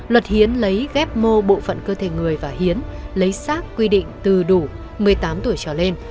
luật hiến lấy ghép mô bộ phận cơ thể người và hiến lấy sát quy định từ đủ một mươi tám tuổi trở lên